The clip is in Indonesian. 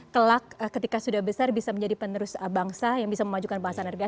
kelak ketika sudah besar bisa menjadi penerus bangsa yang bisa memajukan bangsa negara